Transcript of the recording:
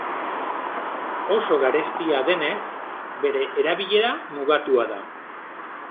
Oso garestia denez, bere erabilera mugatua da.